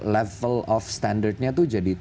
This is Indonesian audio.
level of standardnya itu jadi